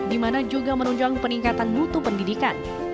di mana juga menunjang peningkatan mutu pendidikan